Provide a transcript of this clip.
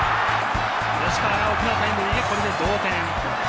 吉川尚輝のタイムリーで同点。